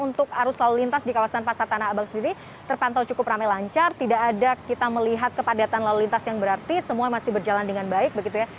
untuk arus lalu lintas di kawasan pasar tanah abang sendiri terpantau cukup ramai lancar tidak ada kita melihat kepadatan lalu lintas yang berarti semua masih berjalan dengan baik begitu ya